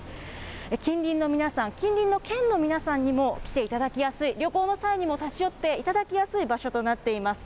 近隣の皆さん、近隣の県の皆さんにも来ていただきやすい、旅行の際にも立ち寄っていただきやすい場所となっています。